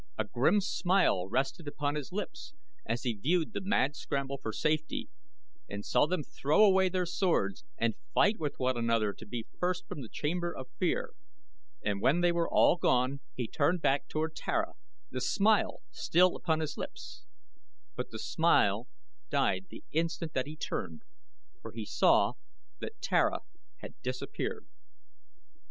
A grim smile rested upon his lips as he viewed the mad scramble for safety and saw them throw away their swords and fight with one another to be first from the chamber of fear, and when they were all gone he turned back toward Tara, the smile still upon his lips; but the smile died the instant that he turned, for he saw that Tara had disappeared.